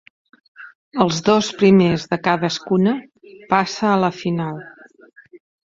Els dos primers de cadascuna passa a la final.